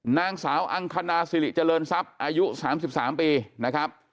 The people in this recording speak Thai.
นางสาวอังคณาสิริเจริญทรัพย์อายุ๓๓ปีนะครับ